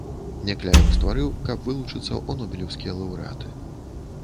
Някляеў стварыў, каб вылучыцца ў нобелеўскія лаўрэаты.